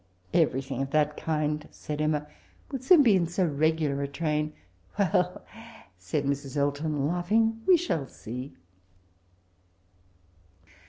"*But everything of that kind,* said Emma, * wHl soon be in so regular a train —^•'• Well,' said Mrs. Elton, laughing, 'we shall see.'